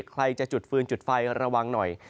ใครจะจุดฟืนจุดไฟระวังหน่อย